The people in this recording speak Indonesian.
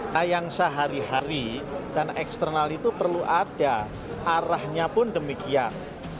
nah yang sehari hari dan eksternal itu perlu ada arahnya pun demikian